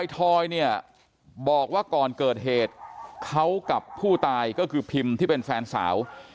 ทอยเนี่ยบอกว่าก่อนเกิดเหตุเขากับผู้ตายก็คือพิมที่เป็นแฟนสาว